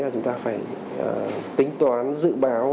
chúng ta phải tính toán dự báo